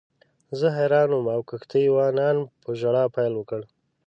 زه حیران وم او کښتۍ وانانو په ژړا پیل وکړ.